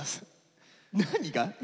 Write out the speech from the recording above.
何が？